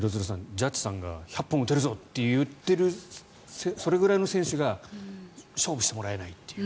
ジャッジさんが１００本打てるぞと言っているそれくらいの選手が勝負してもらえないという。